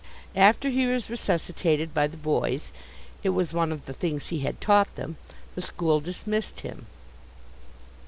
After he was resuscitated by the boys it was one of the things he had taught them the school dismissed him.